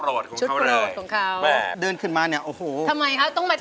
ร้องได้ให้ร้อง